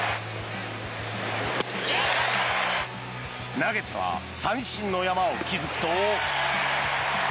投げては三振の山を築くと。